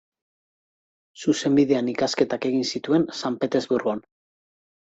Zuzenbidean ikasketak egin zituen San Petersburgon.